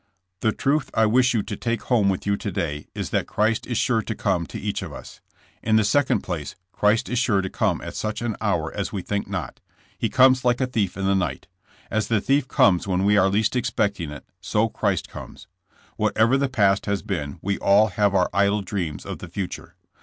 The truth I wish you to take home with you to day is that Christ is sure to come to each of us. In the second place, Christ is sure to come at such an hour as we think not. He comes like a thief in the night. As the thief comes when we are least expecting it, so Christ comes. Whatever the past has been, we all have our idle dreams of the future.